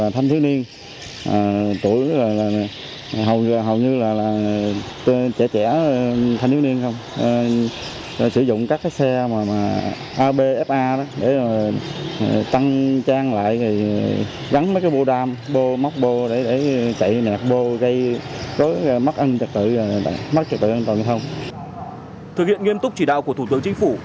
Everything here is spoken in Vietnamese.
thực hiện nghiên túc chỉ đạo của thủ tướng chính phủ